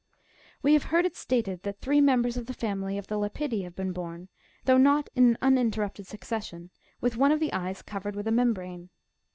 ^^ (12.) We have heard it stated that three members of the family of the Lepidi have been born, though not in an unin termpted succession, with one of the eyes covered with a membrane.